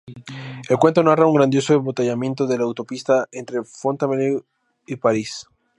El cuento narra un grandioso embotellamiento en la autopista entre Fontainebleau y París.